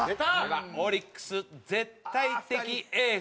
オリックス絶対的エース